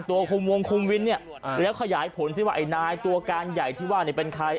คุมวงคุมวินเนี่ยแล้วขยายผลซิว่าไอ้นายตัวการใหญ่ที่ว่าเนี่ยเป็นใคร